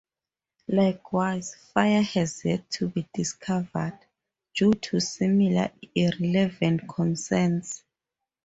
Likewise, fire has yet to be discovered, due to similar irrelevant concerns.